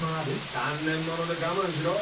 ３年もので我慢しろ。